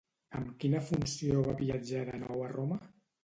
Amb quina funció va viatjar de nou a Roma?